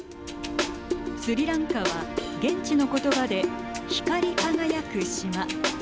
スリランカは現地のことばで光り輝く島。